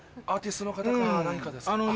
アーティストの方か何かですか？